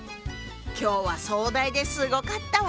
今日は壮大ですごかったわね。